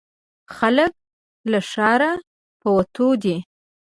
خلک له ښاره په وتو دي.